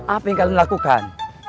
apa yang kalian lakukan